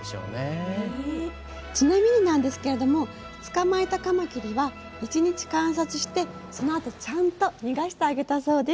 ちなみになんですけれども捕まえたカマキリは１日観察してその後ちゃんと逃がしてあげたそうです。